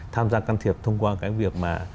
tham gia can thiệp thông qua cái việc mà